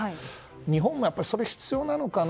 日本もやっぱり、それが必要なのかな。